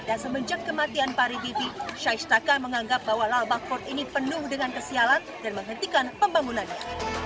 dan semenjak kematian paribibi syahistakyan menganggap bahwa lalabak fort ini penuh dengan kesialan dan menghentikan pembangunannya